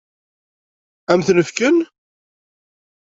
Ad m-ten-fken?